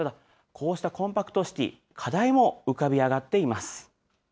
ただ、こうしたコンパクトシティ、課題も浮かび上がっています。